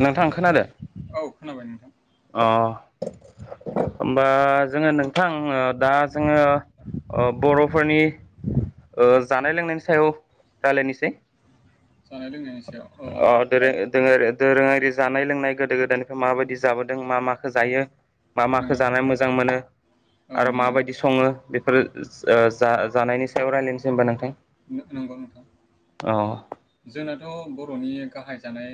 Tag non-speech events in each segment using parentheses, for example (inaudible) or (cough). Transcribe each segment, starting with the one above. नोंथां खोनादों औ खोनाबाय नोंथां अ (inaudible) होमबा जोङो नोंथां दा जोङो ओ बर'फोरनि ओ जानाय-लोंनायनि सायाव रायलायनोसै जानाय लोंनायनि सा अ दों-दों आरो दोरोङारि जानाय लोंनाय गोदो गोदायनिफ्राय माबायदि जाबोदों मा माखो जायो मा माखो नंगौ नोंथां। जानाय मोजां मोनो औ आरो नंगौ माबायदि सङो बेफोर जा जानायनि सायाव रायलायनोसै होनबा नोंथां नंगौ नोंथां अ जोंनाथ' बर'नि गाहाय जानाय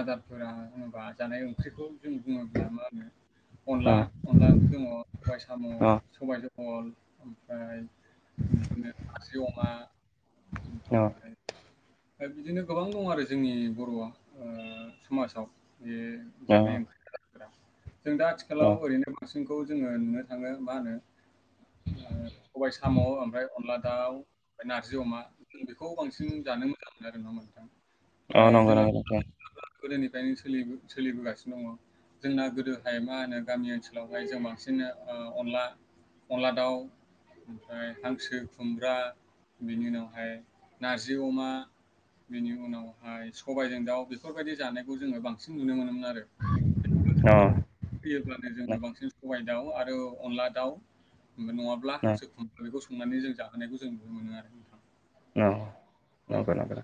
आदारफोरा होनोबा जानाय ओंख्रिखौ जों बुङोब्ला मा होनो अ अनला अनला ओंख्रि दङ, सबाय साम', अ सबायजों जहल, ओमफ्राय बिदिनो नारजि अमा, औ ओमफ्राय दा बिदिनो गोबां दं आरो जोंनि बर'आ आ समाजाव बे अ जानाय ओंख्रिया (inaudible) जों दा अ आथिखालाव ओरैनो बांसिन जोंखौ जोङो नुनो थाङो मा होनो ओ सबाय साम' ओमफ्राय अनला दाउ ओमफ्राय नारजि अमा जों बेखौ बांसिन जानो मोजां मोनो आरो नङा ओमबा नोंथां ओ औ नंगौ जोंना नंगौ गोदोनिफ्रायनो सोलिबो सोलिबोगासिनो दङ जोंना गोदोहाय मा होनो गामि ओनसोलावहाय जों बांसिन अनला अनला दाउ ओमफ्राय हांसो खुमब्रा बेनि उनावहाय नारजि अमा बेनि उनावहाय सबायजों दाउ बेफोरबायदि जानायखौ जोङो बांसिन नुनो मोनोमोन आरो अ (inaudible) होयोब्लानो न जोङो बांसिन सबाय दाउ आरो अनला दाउ नङाब्ला, हांसो न खुमब्रा बेखौ संनानै जों जाहोनायखौ जों नुनो मोनो आरो। नोंथां। औ औ नंगौ नंगौ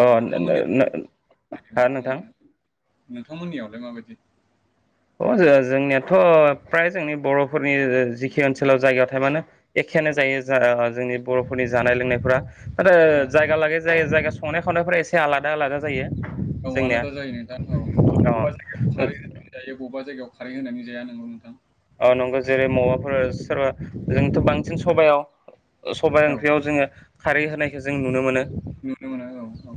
ओ (unintelligible) नोंथां नोंथांमोननियावलाय माबायदि अ जो जोंनियाथ' फ्राय जोंनि बर'फोरनि जिखि ओनसोलाव जायगायाव थायामानो एखेयानो जायो जोंनि बर'फोरनि जानाय लोंनायफोरा आरो औ जायगा लायै जायगा जायगा संनाय-खावनायफोरा एसे आलादा आलादा जायो औ जोंनिया आलादा जायो नोंथां औ अ बबेबा जायगायाव खारै जायो बबेबा जायगायाव खारै होनानै जाया नोंगौ नोंथां। औ नंगौ जेरै मबाफोर सोरबा जोंथ' बांसिन सबायाव सबाय औ ओंख्रियाव जोङो खारै होनायखौ जों नुनो मोनो। नुनो मोनो औ-औ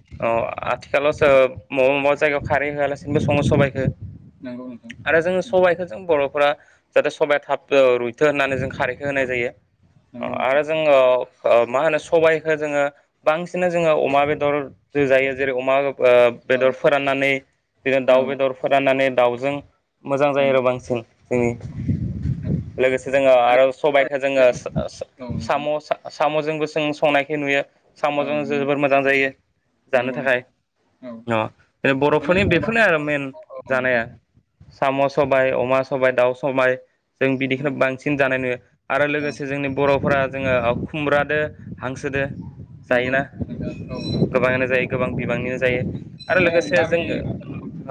(unintelligible) मबा मबा जायगायाव खारै होआलासिनोबो सङो सबायखो नंगौ नोंथां आरो जोङो उम सबायाइखौ जों बर'फोरा जाहाथे सबाया थाब रुइथो होननानै जों खारैखौ औ होनाय जायो नंगौ नोंथां आरो जोङो मा होनो सबायखो जोङो बांसिन जोङो अमा बेदर, जों जायो जेरै अमा ओ औ बेदर फोराननानै बिदिनो औ दाउ बेदर फोराननानै दाउजों मोजां जायो नंगौ आरो बांसिन औ जोंनि नंगौ लोगोसे जोङो आरो सबायखो जोङो सो ओ औ नोंथां साम' सा साम'जोंबो जों संनायखो नुयो औ साम'जों नुनो जोबोर मोजां जायो जानो नंगौ थाखाय नोंथां औ अ माने बर'फोरनि जों बेफोरनो बांसिन आरो मेन औ औ जानाया औ साम' सबाय, अमा सबाय दाउ सबाय जों उम बिदिखौनो बांसिन जानाय नुयो आरो औ लोगोसे जोंनि बर'फोरा जोङो खुमब्रादो हांसोजोदो नोंगौ नोंथां औ नों जायो गोबां बिबांनिनो जायो। आरो माने लोगोसे गामि जोङो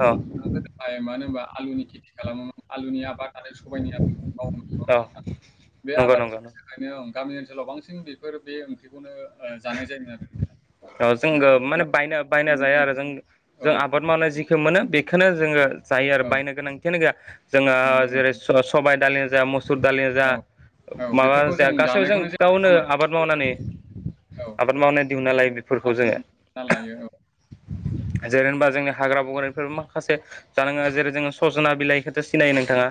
औ मानो होनबा आलुनि खेथि खालामोमोन आलुनि आबाद आरो सबाइनि आबाद मावोमोन नङा होमबा औ नोंथां बे नंगौ नंगौ आबादनि थाखायनो ओं। गामि ओनसोलाव बांसिन बेफोर बे ओंख्रिखौनो ओ जानाय जायोमोन आरो नोंथां। ओ जोंगो माने बायनो बायना मावनाय जाया आरो जायो जों औ जों आबाद मावनाय जिखो मोनो बे खोनो जोङो जायो आरो औ बायनो गोनांथियानो गैया जोङो नंगौ जेरै नोंथां स-सबाइ दालि जा मु सुर दालिनो जा औ औ माबा बेफोरखौ जा गासै जों जानायखौनो नङा गावनो होमबा आबाद मावनानै औ आबाद मावनाय दिहुनना लायो बेफोरखौ आबाद जोङो मावना लायो औ जेरै होनबा जोंनि हाग्रा बंग्रानिफोर माखासे जानाङा जेरै जोङो सजना बिलाइखौथो सिनायो नोंथाङा?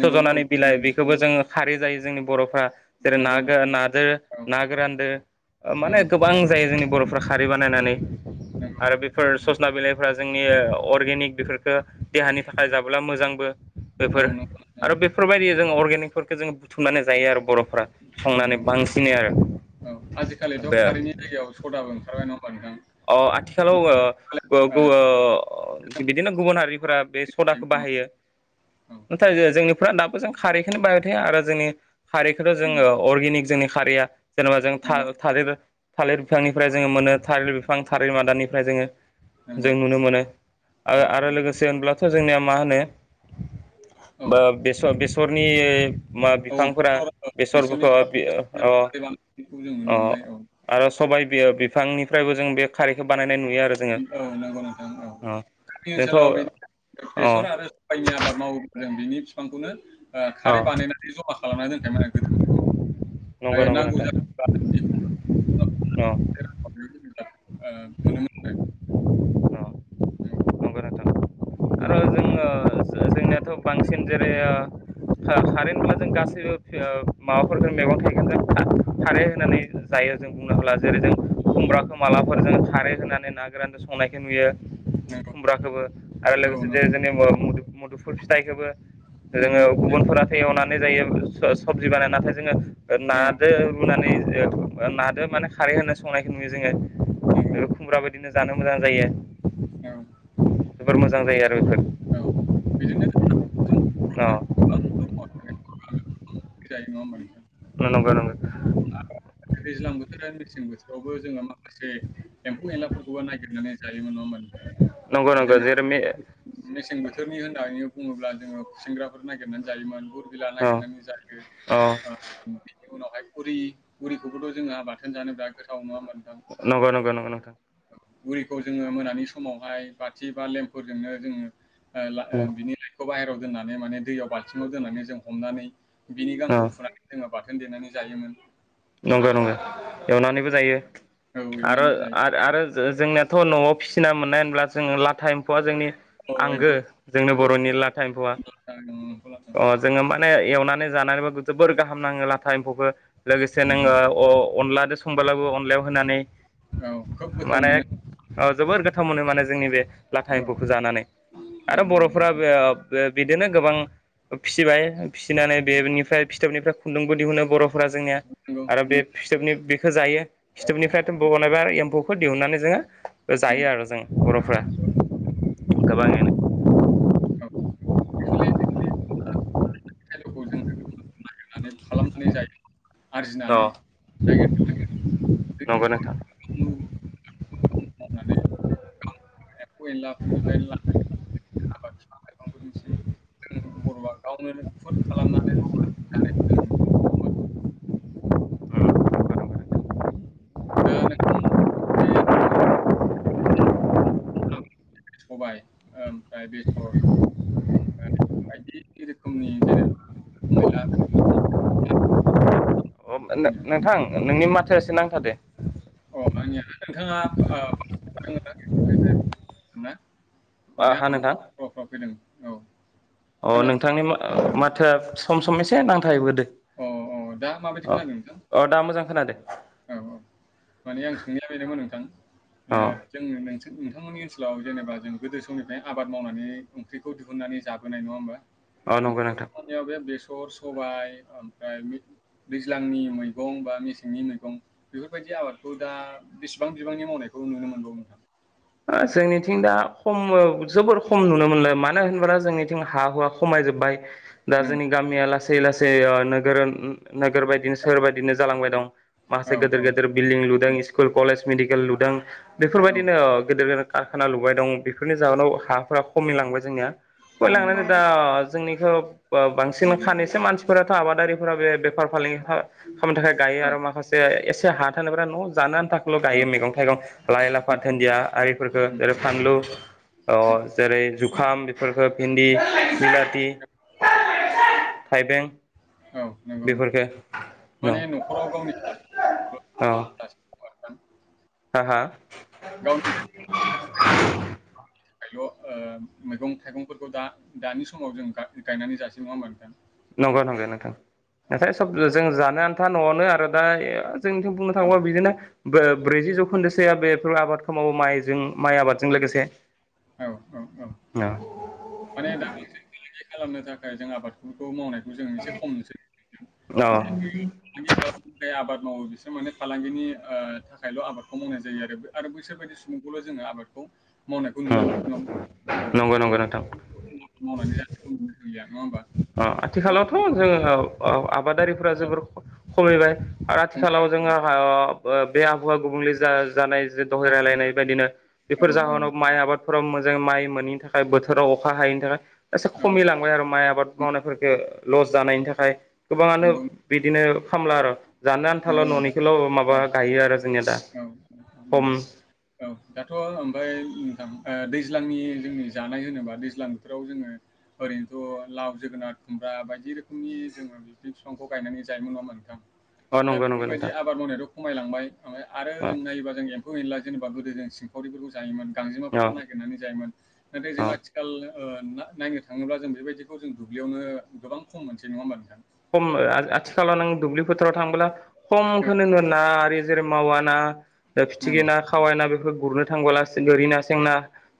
नंगौ औ सज'नानि बिलाइ सिनायगौ बेखौबो जोङो खारै जायो जोंनि बर' फ्रा जेरै नंगौ नोंथां गोरान नादो औ ना गोरानदो ओ औ माने गोबां जायो जोंनि फ्रा खारै बानायनानै नंगौ आरो बेफोर औ सजना बिलाइफोरा जोंनि अर्गेनिक बेफोर खो देहानि थाखाय जाबोला मोजांबो बेफोर नंगौ नोंथां आरो बेफोरबायदि जों अर्गेनिक फोरफोरखो जोङो बुथुमनानै जायो आरो बर'फ नंगौ नोंथां औ आजिखालिथ' बे खारैनि जायगायाव सदाबो ओंखारबाय न अ आथिखालाव ओ ओ गु ओ बिदिनो गुबुन हारिफोरा बे औ सदाखो बाहाय हायो (unintelligible) जोंनिफ्रा दाब जों खारैखोनो बाहाबाय थायो आरो जोंनि खारैखोनो जोङो नंगौ अर्गेनिक जोंनि खारैया। जेनेबा जों नंगौ था-थालिर थालेर बिफांनिफ्राय जोङो मोनो थालिर बिफां थालिर मादानिफ्राय जोङो। नंगौ जों नुनो मोनो आ औ आरो लोगोसे होनब्लाथ' जोंनिया मा होनो औ बा बेसर बेसरनि मा औ बिफांफोरा बेथ' औ बेसरनि बेसरफोरखौ ओ बि बिफांखौ ओ। बांसिनखौ जों नुनो ओ मोनबाय औ आरो सबाइ बियो बिफांनिफ्रायबो जों बे खारैखो बानायनाय नुयो आरो जोङो औ नंगौ नोंथां औ ओ गामि जोंथ' ओनसोलाव बेनि अ बेसर आरो साबाइनि आबाद मावो जों बिनि फिफांखौनो ओ अ खारै बानायनानै ज'मा खालामनानै दोनखायमोन आरो गोदोनि समाव। नंगो नंगो नोंथां आरो अ। ओ (inaudible) अ नंगौ नोंथां आरो जोङो (unintelligible) जोंनियाथ' बांसिन जेरै ओ खा-खारै होनब्ला जों गासैबो ओ माबाफोरफोरखो मैगं थाइगोन जों खा-खारै होननानै जायो जों बुंनो हाला जेरै जों खुमब्राखौ मालाफोर जों खारै होनानै ना गोरानजों संनायखौ नुयो खुमब्राखोबो आरो ओ लोगोसे मोनोमोन औ नंगौ औ नंगौ ओ मुदु-मुदुफु फिथाइखोबो जोङो नुदोंमोन गुबुनफोराथ' एवनानै जायो सबजि बानायना नाथाय जोङो औ नादो रुनानै ओ नादो माने खारै होना संनायखौ नुयो जोङो नंगौ ओ खुमब्राबो बिदिनो जानो मोजां जायो नंगौ जोबोर मोजां जायो आरो। बेफोर औ बिदिनो अ आरो गोबां दङ जायो नङा होनबा नोंथां? नंगो नंगो। दैज्लां बोथोर आरो मेसें बोथोरावबो जोङो माखासे एम्फौ एनलाफोरखौबो नायगिरनानैबो जायोमोन नङा होनबा नंगौ नोंथां नंगौ जेरै जेनेबा मेसें बोथोरनि होननानै बुङोब्ला जोङो गुसेंग्राफोर नागिरनानै जायोमोन गुर बिला औ नागिरनानै जायो। औ ओ बिनि उरि उरिखौबोथ' जोंहा बाथोन जानो बिराद गोथाव नङा होमबा? नंगो नंगो नंगो नोंथां। उरिखौ जोङो मोनानि समावहाय बाथि बा लेम्पफोरजोंनो जोङो ओ औ (unintelligible) बिनि लाइटखौ बाहेरायाव दोननानै माने दैयाव बाल्थिङाव दोननानै जों हमनानै बिनि गानखौ फुनानै जोङो बाथोन देनानै जायोमोन नंगौ नंगौ एवनानैबो जायो औ आरो एवनानैबो जायो आरो जोंनिया थ' न'आव फिसिना मोननाय होनब्ला जोङो लाथ लाथा एम्फौआ जोंनि औ आंगो एम्फौ जोंनो एम्फौ बर'नि लाथा एम्फौआ लाथा ओं एम्फौ लाथा अ जोङो माने एवनानै जानानैबो जोबोर गाहाम नाङो लाथा एम्फौखो लोगोसे नंगौ नोङो अ अनलाजों संबोलाबो अनलायाव होनानै औ खोब गोथाव माने मोनो जोबोर गोथाव मोनो माने जोंनि बे लाथा औ एम्फौखौ औ जानानै औ आरो बर'फ्रा बे बे बिदिनो गोबां फिसिबाय फिसिनानै बेनिफ्राय फिथोबनिफ्राय खुन्दुंबो दिहुनो बर'फ फ्रा जोंनिया नंगौ आरो नों बे फिथोबनि बेखो जायो खिथोबनिफ्राय बहनोबा आरो एम्फौखौ दिहुननानै जोङो जायो आरो जों बर'फ्रा नंगौ गोबाङैनो औ एक्सुलि खालामफिननाय जायो अ आरजिनानै नागिरनानै नंगौ नोंथां मावनानै (unintelligible) फोरनिसिम जों बर'आ गावनो राफोद खालामनानै मावनानै जानायखो जों नुनो मोनो दा नोंथां (unintelligible) सबाय ओमफ्राय बेसर ओफ्राय बायदि रोखोमनि जेनेबा मेरला नो-नोंथां नोंनि माथोया एसे नांथादो अ आंनिया नोंथाङा (unintelligible) हा नोंथां (unintelligible) अ खोनाबाय नोंथांनि माथोआ सम सम एसे नां अ अ दा माबायदि खोनादों नोंथां अ दा मोजां खोनादो औ औ माने आं सोंनाया बेनोमोन नोंथां अ ओ जों नों नोंथांमोननि ओनसोलाव जेनेबा जों गोदो समनिफ्राय आबाद मावनानै ओंख्रिखौ दिहुननानै जाबोनाय नङा होमबा औ नंगौ नोंथां नोंथांमोननियाव बे बेसर सबाय ओमफ्राय दैज्लांनि मैगं बा मेसेंनि मैगं दं बेफोरबायदि आबादखौ दा बेसेबां बिबांनि मावनायखौ नुनो मोनबावो नोंथां जोंनिथिं दा खम जोबोर खम नुनो मोनो मानो होनबोला जोंनिथिं हा हुवा खमायजोब्बाय दा नंगौ। जोंनि गामिया लासै लासै नोगोर नोगोर बायदिनो सोहोर बायदिनो जालांबाय दं औ, माखासे गेदेर औ, गेदेर बिल्डिं लुदों स्कुल कलेज मेडिकेल लुदों औ, औ, बेफोरबायदिनो गेदेर कारखाना लुबाय दं बेफोरनि जाहोनाव हाफोरा खमि लांबाय जोंनिया नंगौ, खमिलांनानै दा नंगौ। जोंनिखौ बांसिन खानैसो मानसिफोराथ' आबादारिफोरा बे बेफार फालांगि खालामनो थाखाय गायो औ, आरो माखासे एसे हा थानायफ्रा न' जानो आनथा थाखायल' औ, गायो मैगं थाइगं लाइ लाफा नंगौ। दुन्दिया आरिफोरखो उम, जेरै फानलु अ उम, जेरै जुखाम बेफोरखौ भिन्दि बिलाथि थाइबें औ, नंगौ नोंथां। बेफोरखो न माने न'खराव ओ बाथोन हा हा गावनि (unintelligible) ल' मैगं थाइगंफोरखौ दा दानि समाव जों गा गायनानै जास नङा होमबा नोंथां नंगौ नोंगौ नोंथां। औ नाथाय सब जों जानो आन्था न'आवनो आरो दा जोंनिथिं बुंनो थाङोबा औ बिदिनो बो ब्रैजि जौखोन्दो। (unintelligible) आबादखौ मावो माइजों माइ आबादजों लोगोसे औ औ औ औ माने दाखोलैसो (unintelligible) खालामनो थाखाय जों आबादफोरखौ मावनायखौ जों एसे खम नुसै औ। फालांगि खालामनो थाखाय आबाद मावो बिसोर माने फालांगिनि ओ थाखायल' आबादखौ मावनाय जायो आरो आरो बैसोर फोरबायदि सुबुंखौल' जोङो आबादखौ मावनायखौ नुनो (unintelligible) नङा नंगौ नंगौ नोंथां ओमबा। अ आथिखालावथ' जोङो अ आबादारिफोरा जोबोर खमिबाय। आथिखालाव खमायबाय जोंहा अ बे आबहावा गुबुंले जा जानाय जे दहाय दा रायलायनाय बायदिनो बेफोर औ औ जाहोनाव माइ आबाद फोराव मोजाङै माइ मोनैनि थाखाय बोथोराव अखा हायैनि थाखाय एसे औ खमिलांबाय आरो माइ आबाद लाफोरखो लस जानायनि थाखाय गोबाङानो नंगौ बिदिनो खामला र जानो आनथाल' नंगौ नोंथां न'निखौल' माबा औ गायो आरो जोंनिया दा औ हम नंगौ औ दाथ' ओमफ्राय नोंथां ओ दैज्लांनि जोंनि जानाय होनोबा दैज्लांबोथोराव जोङो ओरैनोथ' लाव जोगोनार खुमब्रा बायदि रोखोमनि जोङो बिदि बिफांखौ गायनानै जायोमोन नङा होमबा नोंथां? अ दा नंगौ नंगौ नोंथां बेफोरबायदि आबाद मावनायाथ' खमायलांबाय ओमफ्राय आरो अ जों नायोबा जों एम्फौ एनला बा गोदो जों सिंखावरिफोरखौ जायोमोन अ गांजेमाफोरखौ नागिरनानै जायोमोन नाथाय जों अ आथिखाल ओ ना नायनो थाङोब्ला जों बेबायदिखौ जों दुब्लियावनो गोबां खम मोनसै नङा होमबा नोंथां? खम आ आथिखालाव नों दुब्लि फोथाराव थांबोब्ला औ खमखोनो ना बेजेर मावा ना फिथिखि नंगौ। ना खावाय ना बेफोरखौ गुरनो थांबोला सिदरि ना सेंना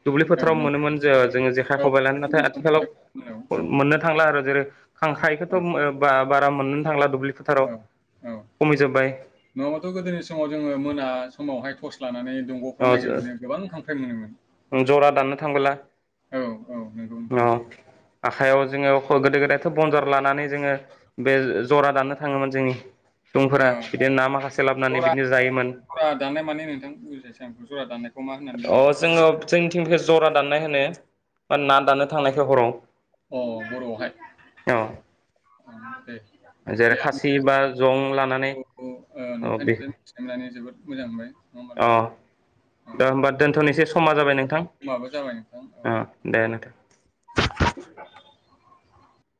दुब्लि औ फोथाराव नों मोनोमोन जे जोङो जेखाइ औ खबबाय लानो नाथाय गोदोनि आथिखालाव समावहाय औ, औ, मोननो थांला आरो जेरै खांखायखौथ औ, मो बा बारा मोनोनो थांला दुब्लि फोथाराव। औ, औ खमिजोब्बाय नङाबाथ' गोदोनि समाव जोङो मोना समावहाय टर्स लानानै दंग'फ्राव नायगिरबानो गोबां खांख्राय मोनोमोन। जरा दाननो थांबोला औ औ नंगौ नंगौ। आखायाव जोङो गोदो गोदायथ' बन्दर लानानै जोङो बे जरा दाननो थाङोमोन जोंनि ओ दुंफोरा बिदिनो ना माखासे लाबोनानै जरा बिदिनो जायोमोन। जरा दाननाय माने नोंथां (unintelligible) बुङो? अ जोङो जोंनिथिं जरा दाननाय होनो। ना दाननो थांनायखो हराव अ बर'आवहाय औ (unintelligible) दे जेरै आं खासि बा जं लानानै माखासेखौ ओ बे नोंथांनिफ्राय मिथिनो मोननानै जोबोद मोजां नुबाय अ दा होमबा दोनथ'नोसै समा जाबाय नों समाबो जाबाय नोंथां नोंथां औ